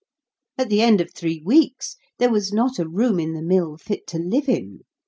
At the end of three weeks, there was not a room in the mill fit to live in.